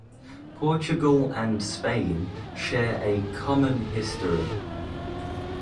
Portugal and Spain share a common history.